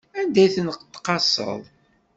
Anda i ten-tqaseḍ?